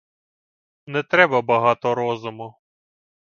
Не треба багато розуму?